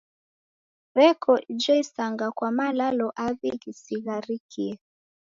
W'eko ijo isanga kwa malalo aw'i ghisigharikie.